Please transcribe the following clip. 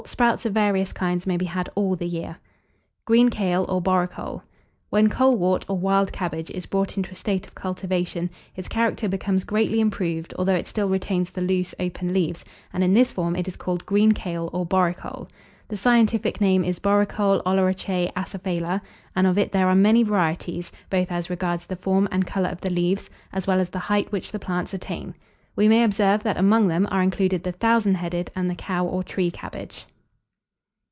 Sprouts of various kinds may be had all the year. GREEN KALE, OR BORECOLE. When Colewort, or Wild Cabbage, is brought into a state of cultivation, its character becomes greatly improved, although it still retains the loose open leaves, and in this form it is called Green Kale, or Borecole. The scientific name is Borecole oleracea acephala, and of it there are many varieties, both as regards the form and colour of the leaves, as well as the height which the plants attain. We may observe, that among them, are included the Thousand headed, and the Cow or Tree Cabbage.